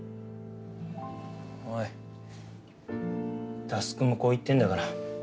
おい佑くんもこう言ってんだから。